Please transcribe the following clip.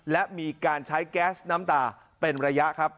และมีการใช้แก๊สน้ำตาเป็นระยะครับ